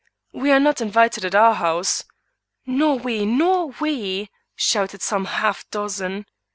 We are not invited at our house." "Nor we, nor we," shouted some half dozen.